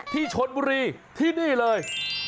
ที่ชนบุรีที่นี่เลย